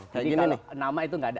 jadi kalau nama itu enggak ada